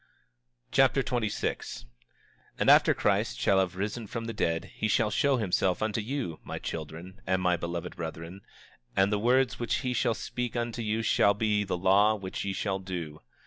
2 Nephi Chapter 26 26:1 And after Christ shall have risen from the dead he shall show himself unto you, my children, and my beloved brethren; and the words which he shall speak unto you shall be the law which ye shall do.